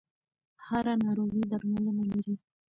هره ناروغي درملنه لري.